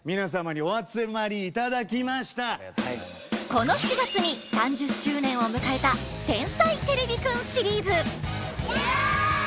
この４月に３０周年を迎えた「天才てれびくん」シリーズ！